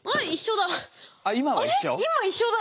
今一緒だ。